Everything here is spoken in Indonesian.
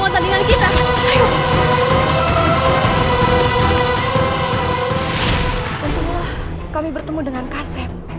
tentulah kami bertemu dengan kasep